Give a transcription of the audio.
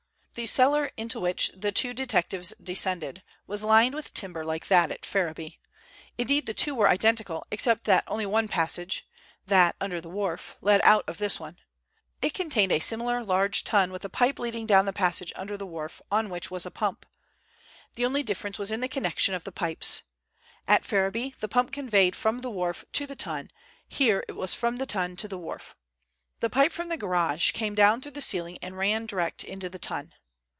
The cellar into which the two detectives descended was lined with timber like that at Ferriby. Indeed the two were identical, except that only one passage—that under the wharf—led out of this one. It contained a similar large tun with a pipe leading down the passage under the wharf, on which was a pump. The only difference was in the connection of the pipes. At Ferriby the pump conveyed from the wharf to the tun, here it was from the tun to the wharf. The pipe from the garage came down through the ceiling and ran direct into the tun.